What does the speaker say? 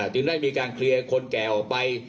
จึงได้มีการเคลียร์คนแก่ออกไป